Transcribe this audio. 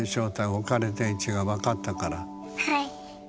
はい！